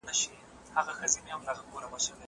زه به اوږده موده واښه راوړلي وم!!